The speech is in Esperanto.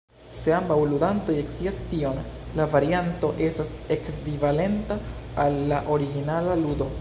Se ambaŭ ludantoj scias tion, la varianto estas ekvivalenta al la originala ludo.